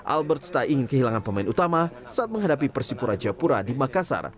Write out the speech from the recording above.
albert tak ingin kehilangan pemain utama saat menghadapi persipura japura di makassar